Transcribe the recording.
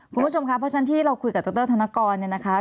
คุณผู้ชมครับเพราะฉะนั้นที่เราคุยกับดรธนกรเนี่ยนะคะ